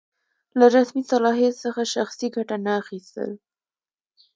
له رسمي صلاحیت څخه شخصي ګټه نه اخیستل.